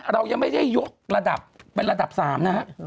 เรายังไม่ได้ยกระดับเป็นระดับ๓นะฮะ